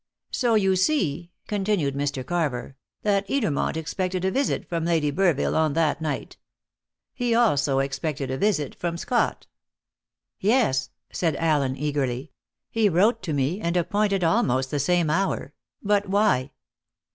So you see," continued Mr. Carter, "that Edermont expected a visit from Lady Burville on that night. He also expected a visit from Scott." "Yes," said Allen eagerly; "he wrote to me, and appointed almost the same hour. But why?"